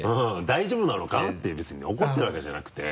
大丈夫なのかっていう別に怒ってるわけじゃなくて。